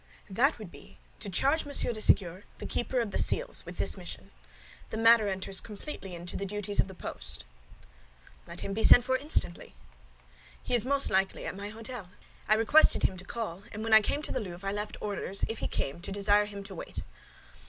"That would be to charge Monsieur de Séguier, the keeper of the seals, with this mission. The matter enters completely into the duties of the post." "Let him be sent for instantly." "He is most likely at my hôtel. I requested him to call, and when I came to the Louvre I left orders if he came, to desire him to wait."